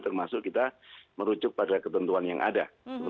termasuk kita merujuk pada ketentuan yang ada